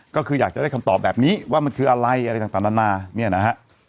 ก็คืออยากจะได้คำตอบแบบนี้ว่ามันคืออะไรอะไรต่างนานาเนี่ยนะฮะ